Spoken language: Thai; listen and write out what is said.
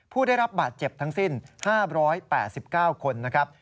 ผู้ได้รับบาดเจ็บทั้งสิ้น๕๘๙คนนะครับ